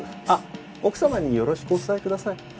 あっ奥様によろしくお伝えください。